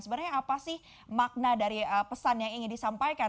sebenarnya apa sih makna dari pesan yang ingin disampaikan